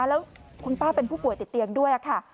แล้วคุณป้าเป็นผู้ป่วยติดเตียงด้วยค่ะ